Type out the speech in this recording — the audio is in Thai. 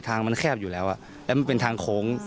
ทางมันแคบอยู่แล้วแล้วมันเป็นทางโค้ง